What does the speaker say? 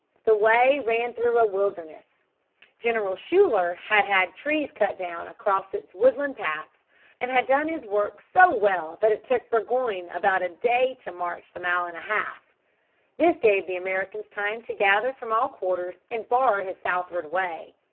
The way ran through a wilderness. General Schuyler had had trees cut down across its woodland paths and had done his work so well that it took Burgoyne about a day to march a mile and a half. This gave the Americans time to gather from all quarters and bar his southward way.